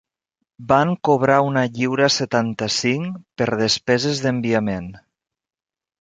Van cobrar una lliura setanta-cinc per despeses d'enviament...